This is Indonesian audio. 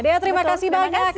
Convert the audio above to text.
dea terima kasih banyak